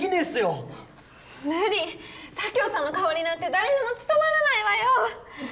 無理佐京さんの代わりなんて誰にも務まらないわよ